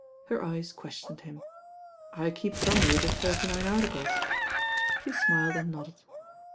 Her eyes questioned him. "I keep from you the Thirty Nine Articles." She smiled and nodded.